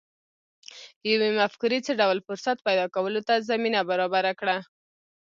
يوې مفکورې څه ډول فرصت پيدا کولو ته زمينه برابره کړه؟